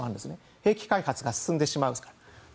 兵器開発が進んでしまうので。